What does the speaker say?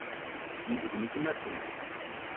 Mi ndzouk mi te ma ton: